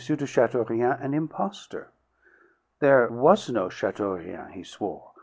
de Chateaurien an impostor. There was no Chateaurien, he swore.